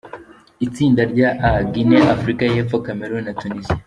Itsinda rya A: Guinea, Afurika y’Epfo, Cameroun na Tunisia.